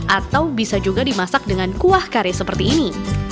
atau bisa juga dimasak dengan kuah kare seperti ini